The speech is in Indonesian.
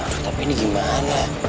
aduh tapi ini gimana